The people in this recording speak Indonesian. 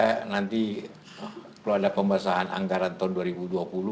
kalau nanti kalau ada pembasahan anggaran tahun dua ribu dua puluh